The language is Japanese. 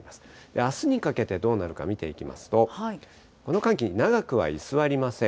あすにかけてどうなるか見ていきますと、この寒気、長くは居座りません。